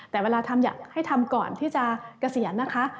แต่เวลาทำอยากให้ทำก่อนที่จะเกษียณนะคะ